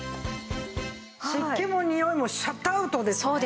湿気もにおいもシャットアウトですね。